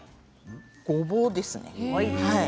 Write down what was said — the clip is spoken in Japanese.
ごぼうですね。